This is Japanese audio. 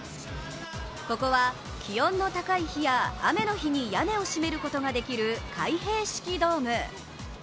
ここは気温の高い日や雨の日に屋根を閉めることができる開閉式ドーム。